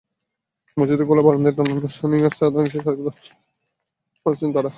মসজিদের খোলা বারান্দায় টানানো শামিয়ানার নিচে সারিবদ্ধ হয়ে বসে পড়ছেন তাঁরা।